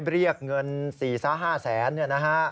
เรียกเงิน๔๕แสน